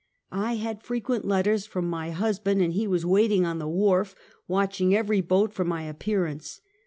I had frequent letters from my husband, and he was waiting on the wharf, watching every boat for my ap pearance.